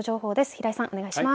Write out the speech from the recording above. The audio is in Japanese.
平井さん、お願いします。